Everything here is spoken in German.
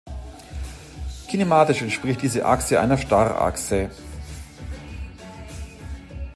Kinematisch entspricht diese Achse einer Starrachse.